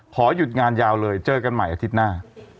ขอหยุดงานยาวเลยเจอกันใหม่อาทิตย์หน้า